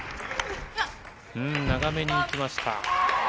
長めにいきました。